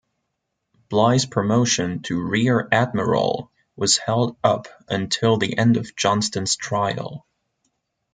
Bligh's promotion to rear admiral was held up until the end of Johnston's trial.